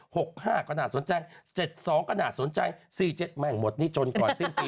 หกห้าก็น่าสนใจเจ็ดสองก็น่าสนใจสี่เจ็ดแม่งหมดนี่จนก่อนสิ้นปี